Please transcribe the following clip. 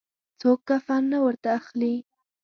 څوک کفن نه ورته اخلي.